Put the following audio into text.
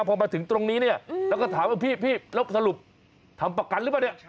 พอมาถึงตรงนี้เนี่ยแล้วก็ถามว่าพี่แล้วสรุปทำประกันหรือเปล่าเนี่ย